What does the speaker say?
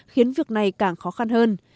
khiến việc này càng khó khăn hơn